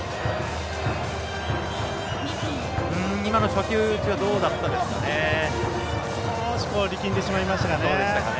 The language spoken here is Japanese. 今の初球打ちはどうでしたかね。